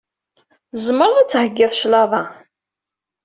Tzemreḍ ad d-theggiḍ claḍa.